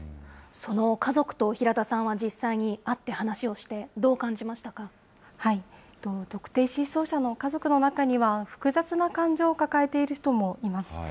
その家族と平田さんは実際に会って話をして、どう感じました特定失踪者の家族の中には、複雑な感情を抱えている人もいます。